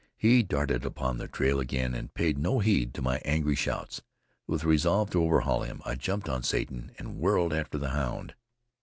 He darted upon the trail again and paid no heed to my angry shouts. With a resolve to overhaul him, I jumped on Satan and whirled after the hound.